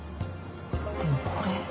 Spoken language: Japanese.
でもこれ。